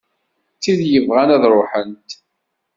D tid yebɣan ad ruḥent.